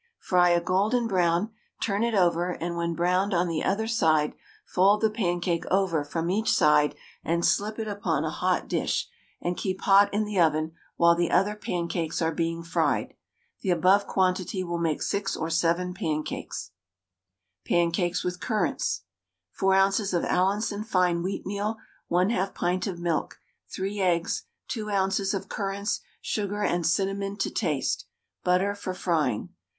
Fry a golden brown, turn it over, and when browned on the other side fold the pancake over from each side and slip it upon a hot dish, and keep hot in the oven while the other pancakes are being fried. The above quantity will make 6 or 7 pancakes. PANCAKES WITH CURRANTS. 4 oz. of Allinson fine wheatmeal, 1/2 pint of milk, 3 eggs, 2 oz. of currants, sugar and cinnamon to taste, butter for frying.